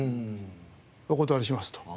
お断りしますと。